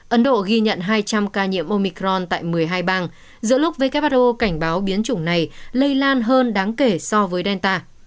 ấn độ ghi nhận hai trăm linh ca nhiễm omicron tại một mươi hai bang giữa lúc who cảnh báo biến chủng này lây lan hơn đáng kể so với delta